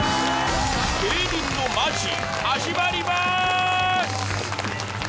芸人のマジ始まります。